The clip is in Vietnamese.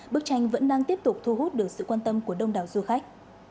bức tranh vẫn đang tiếp tục thu hút được sự quan tâm của đông đảo du khách